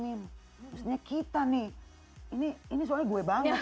misalnya kita nih ini soalnya gue banget